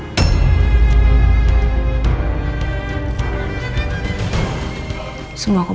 bukti yang mbak kumpulin